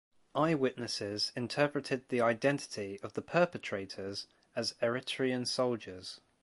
Eyewitnesses interpreted the identity of the perpetrators as Eritrean soldiers.